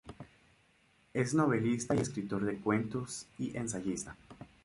Es novelista, escritor de cuentos y ensayista.